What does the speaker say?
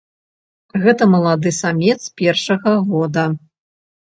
Гэта малады самец першага года.